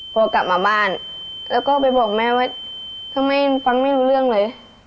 พอกลับมาบ้านแล้วก็ไปบอกแม่ว่าทำไมฟังไม่รู้เรื่องเลย